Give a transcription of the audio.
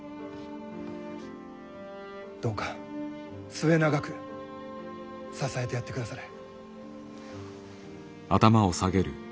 どうか末永く支えてやってくだされ。